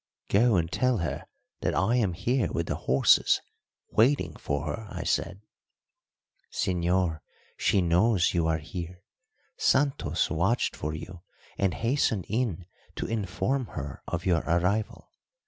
"Go and tell her that I am here with the horses waiting for her," I said. "Señor, she knows you are here. Santos watched for you and hastened in to inform her of your arrival.